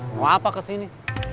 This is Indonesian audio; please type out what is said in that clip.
mau apa kesini